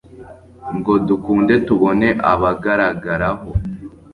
ngo dukunde tubone abagaragaraho